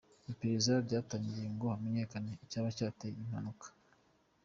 Iperereza ryatangiye ngo hamenyekanye icyaba cyateye iyi mpanuka.